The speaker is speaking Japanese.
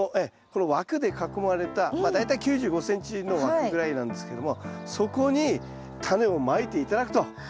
この枠で囲まれた大体９５ｃｍの枠ぐらいなんですけどもそこにタネをまいて頂くということになると思います。